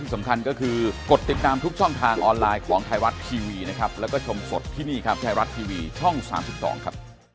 สวัสดีครับคุณพี่ครับสวัสดีครับสวัสดีครับ